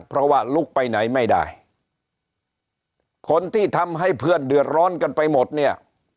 เพราะว่าลุกไปไหนไม่ได้คนที่ทำให้เพื่อนเดือดร้อนกันไปหมดเนี่ย